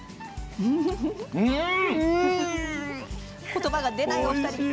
言葉が出ないお二人。